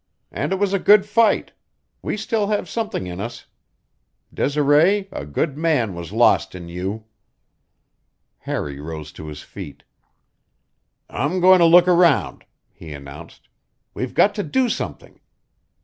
"And it was a good fight. We still have something in us. Desiree, a good man was lost in you." Harry rose to his feet. "I'm going to look round," he announced. "We've got to do something.